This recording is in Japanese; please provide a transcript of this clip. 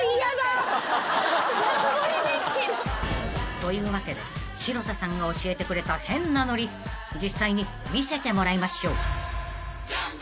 ［というわけで城田さんが教えてくれた変なノリ実際に見せてもらいましょう］